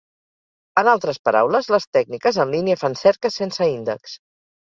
En altres paraules, les tècniques en línia fan cerques sense índex.